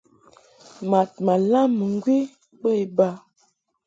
Mad ma lam mɨŋgwi bə iba.